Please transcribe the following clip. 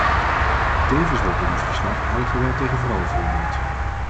Tevens wordt in het verslag alle geweld tegen vrouwen veroordeeld.